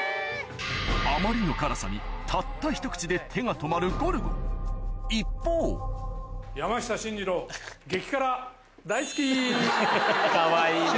あまりの辛さにたったひと口で手が止まるゴルゴ一方かわいいね。